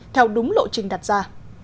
theo đúng lộ trình đặt ra